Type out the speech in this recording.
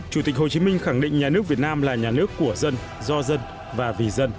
chủ tịch hồ chí minh khẳng định nhà nước việt nam là nhà nước của dân do dân và vì dân